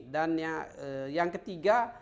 dan yang ketiga